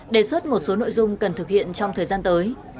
đề xuất một số nội dung cần thực hiện trong thời gian tới